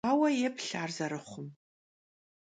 Aue yêplh ar zerıxhum.